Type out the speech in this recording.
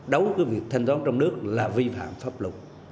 đấu với việc thanh toán trong nước là vi phạm pháp lục